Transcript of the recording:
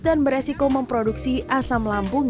dan beresiko memproduksi asam lambung